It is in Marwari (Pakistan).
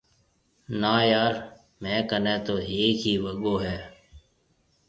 نا يار ميه ڪنَي تو هيَڪ ئي وگو هيَ۔